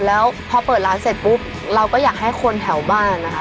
แล้วพอเปิดร้านเสร็จปุ๊บเราก็อยากให้คนแถวบ้านนะคะ